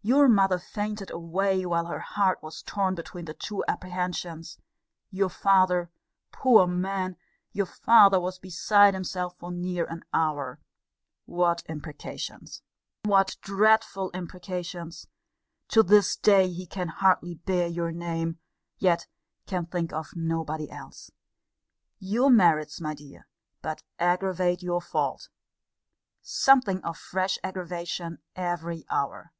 Your mother fainted away, while her heart was torn between the two apprehensions. Your father, poor man! your father was beside himself for near an hour What imprecations! What dreadful imprecations! To this day he can hardly bear your name: yet can think of nobody else. Your merits, my dear, but aggravate your fault. Something of fresh aggravation every hour.